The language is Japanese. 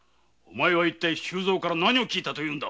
周蔵から何を聞いたというんだ！